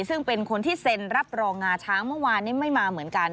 ซึ่งเป็นคนที่เซ็นรับรองงาช้างเมื่อวานนี้ไม่มาเหมือนกัน